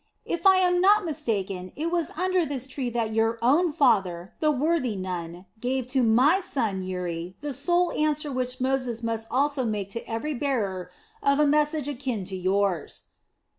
If I am not mistaken, it was under this tree that your own father, the worthy Nun, gave to my son Uri the sole answer which Moses must also make to every bearer of a message akin to yours."